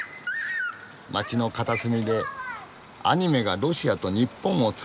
街の片隅でアニメがロシアと日本をつないでる。